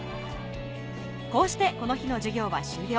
こうしてこの日の授業は終了